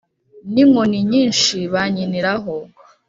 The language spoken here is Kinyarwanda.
n’inkoni nyinshi bankiniraho